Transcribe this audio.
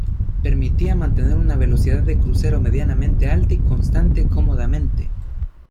Permitía mantener una velocidad de crucero medianamente alta y constante cómodamente.